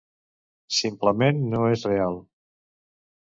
Simplement no és real.